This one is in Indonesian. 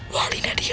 wah tidak dia